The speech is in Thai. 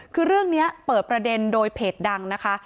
คือเรื่องนี้เปิดประเด็นโดยเพจดังนะคะ